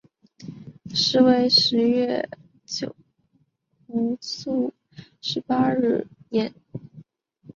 时为十月癸酉朔十八日庚寅。